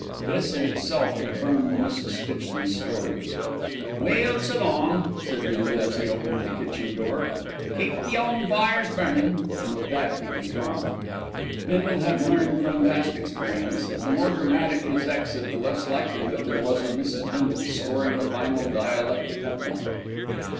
This in itself confirmed Mrs. Stitchley's story. "Well, s'long," said Bindle, as he opened the kitchen door. "Keep the 'ome fires burnin'," and with that he was gone. Bindle had learned from past experience that the more dramatic his exit the less likelihood there was of Mrs. Bindle scoring the final dialectical point.